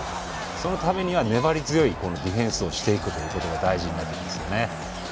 そのためには、粘り強いディフェンスをしていくことが大事になりますよね。